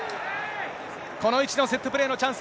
この位置のセットプレーのチャンス。